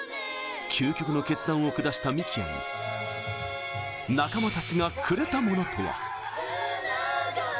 究極の決断を下した幹也に仲間たちがくれたものとは。